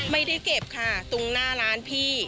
ไม่ได้เก็บค่ะตรงหน้าร้านพี่